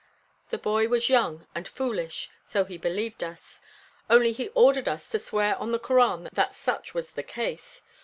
The boy was young and foolish, so he believed us; only he ordered us to swear on the Koran that such was the case.